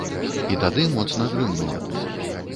І тады моцна грымнула.